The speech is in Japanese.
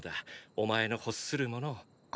お前の欲するものを！